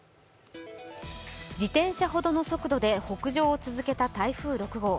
自転車ほどの速度で北上を続けた台風６号。